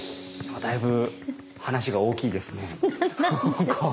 だいぶ話が大きいですね。